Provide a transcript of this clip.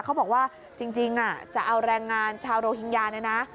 เขาบอกว่าจริงจะเอาแรงงานชาวโรฮิงญาเนี่ยนะ